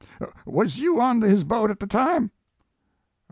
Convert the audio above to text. "Was you on his boat at the time?"